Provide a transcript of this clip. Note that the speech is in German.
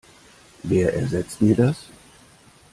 Wer ersetzt mir das?